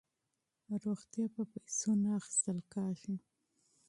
روغتیا په پیسو نه اخیستل کیږي.